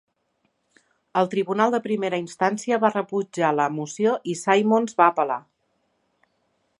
El tribunal de primera instància va rebutjar la moció i Simmons va apel·lar.